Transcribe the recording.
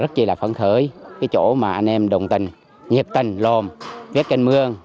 bà con ở đây là phấn khởi cái chỗ mà anh em đồng tình nhiệt tình lồn vét canh mương